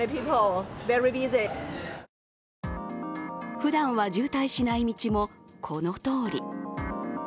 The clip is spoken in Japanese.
ふだんは渋滞しない道もこのとおり。